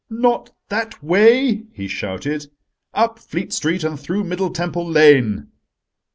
"Not that way," he shouted: "up Fleet Street and through Middle Temple Lane."